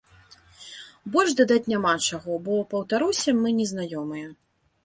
Больш дадаць няма чаго, бо, паўтаруся, мы не знаёмыя.